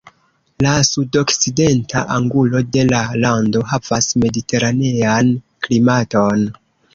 La sudokcidenta angulo de la lando havas Mediteranean klimaton.